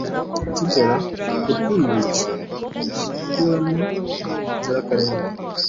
akigerera ku rwibitso rushyinguwemo inzirakarengane